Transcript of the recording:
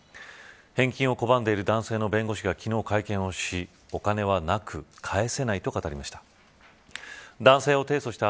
返金を拒んでいる男性の弁護士が昨日会見をしお金はなく返せないと語りました。